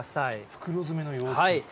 袋詰めの様子？